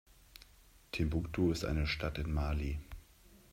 Timbuktu ist eine Stadt in Mali.